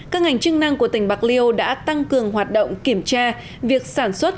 các ngành chức năng của tỉnh bạc liêu đã tăng cường hoạt động kiểm tra việc sản xuất